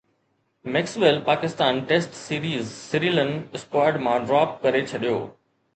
Maxwell Pakistan test series سريلن squad مان drop ڪري ڇڏيو